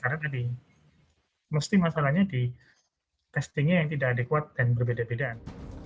karena tadi mesti masalahnya di testingnya yang tidak adekuat dan berbeda bedaan